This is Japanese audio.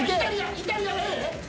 イタリアＡ？